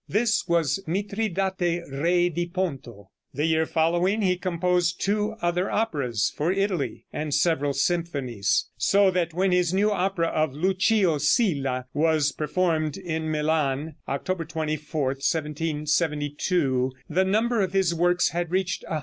This was "Mitridate, Re di Ponto." The year following he composed two other operas for Italy, and several symphonies, so that when his new opera of "Lucio Silla" was performed in Milan October 24, 1772, the number of his works had reached 135.